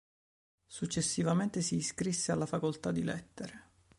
Successivamente si iscrisse alla facoltà di lettere.